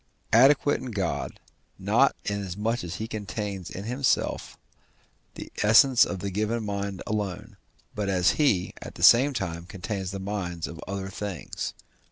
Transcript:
adequate in God, not inasmuch as he contains in himself the essence of the given mind alone, but as he, at the same time, contains the minds of other things.